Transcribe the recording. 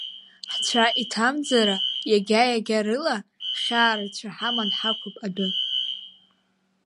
Ҳцәа иҭамӡара иагьа-иагьа рыла, хьаа рацәа ҳаман ҳақәуп адәы.